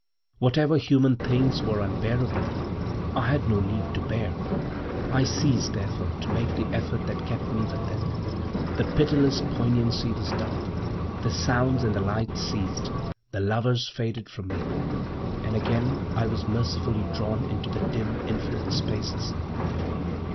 Whatever human things were unbearable, I had no need to bear. I ceased, therefore, to make the effort that kept me with them. The pitiless poignancy was dulled, the sounds and the light ceased, the lovers faded from me, and again I was mercifully drawn into the dim, infinite spaces.